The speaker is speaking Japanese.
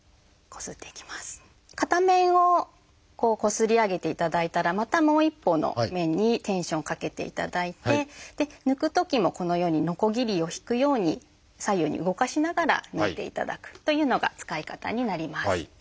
片面をこすり上げていただいたらまたもう一方の面にテンションをかけていただいて抜くときもこのようにノコギリを引くように左右に動かしながら抜いていただくというのが使い方になります。